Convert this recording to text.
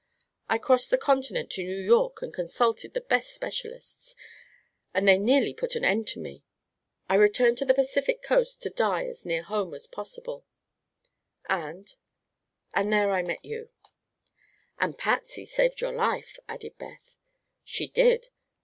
I crossed the continent to New York and consulted the best specialists and they nearly put an end to me. I returned to the Pacific coast to die as near home as possible, and and there I met you." "And Patsy saved your life," added Beth. "She did.